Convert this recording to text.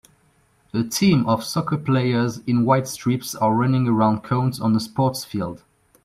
A team of soccer players in white strips are running around cones on a sports field